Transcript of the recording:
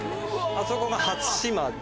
あそこが初島で。